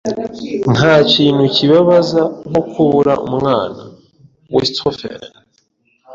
Ntakintu kibabaza nko kubura umwana. (WestofEden)